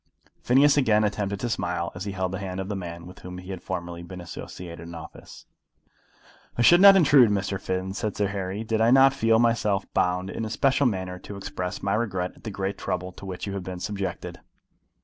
Phineas again attempted to smile as he held the hand of the man with whom he had formerly been associated in office. "I should not intrude, Mr. Finn," said Sir Harry, "did I not feel myself bound in a special manner to express my regret at the great trouble to which you have been subjected."